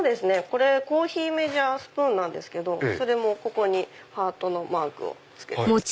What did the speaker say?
これコーヒーメジャースプーンなんですけどここにハートのマークをつけてるんです。